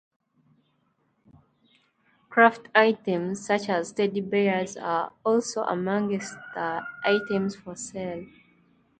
Craft items such as teddy bears are also amongst the items for sale.